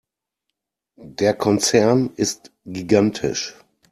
Der Konzern ist gigantisch.